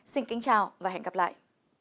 xin kính chào và hẹn gặp lại